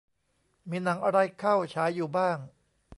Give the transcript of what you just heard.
มีหนังอะไรเข้าฉายอยู่บ้าง